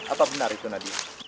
apa benar itu nadia